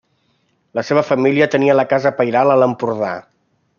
La seva família tenia la casa pairal a l'Empordà.